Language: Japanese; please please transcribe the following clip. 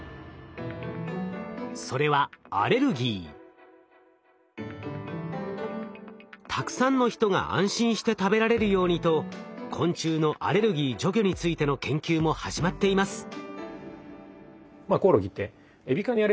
それはたくさんの人が安心して食べられるようにと昆虫のアレルギー除去についての研究も始まっています。